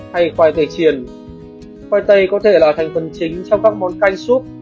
hay khoai tây chiền khoai tây có thể là thành phần chính trong các món canh súp